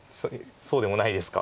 そうでもないですか？